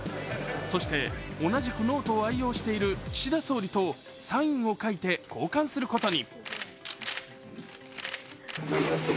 そして、同じくノートを愛用している岸田総理とサインを書いて交換することに。